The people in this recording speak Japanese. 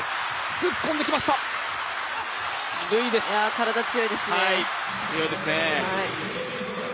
体強いですね。